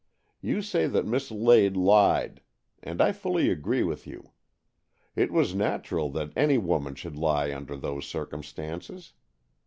You say that Miss Lade lied, and I fully agree with you. It was natural that any woman should lie under those circumstances.